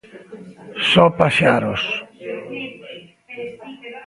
Só paxaros.